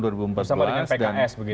bersama dengan pks begitu